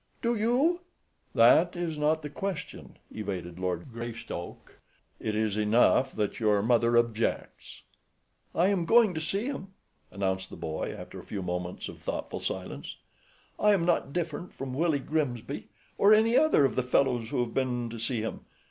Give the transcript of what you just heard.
"Do you?" "That is not the question," evaded Lord Greystoke. "It is enough that your mother objects." "I am going to see him," announced the boy, after a few moments of thoughtful silence. "I am not different from Willie Grimsby, or any other of the fellows who have been to see him.